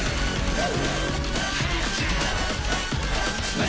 はい。